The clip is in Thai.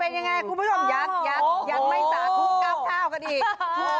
เป็นยังไงกูไม่รู้ว่ายัดยัดยัดไม่จ่ะทุกกราฟเท่ากันอีกทุกท่าน